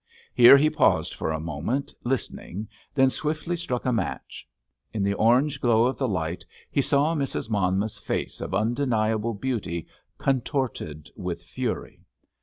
Here he paused for a moment, listening, then swiftly struck a match. In the orange glow of the light he saw Mrs. Monmouth's face of undeniable beauty contorted with fury.